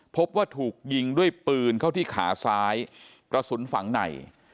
พบว่าถูกยิงด้วยปืนเข้าที่ขาซ้ายกระสุนฝังใน